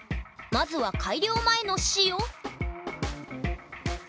まずは改良前の「塩」！